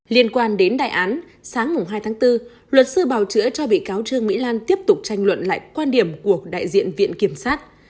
liên quan đến đại án sáng hai tháng bốn luật sư bào chữa cho bị cáo trương mỹ lan tiếp tục tranh luận lại quan điểm của đại diện viện kiểm sát